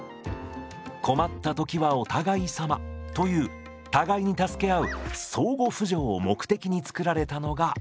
困った時はお互いさまという互いに助け合う相互扶助を目的に作られたのが保険制度です。